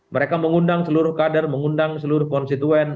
mereka mengundang seluruh kader mengundang seluruh konstituen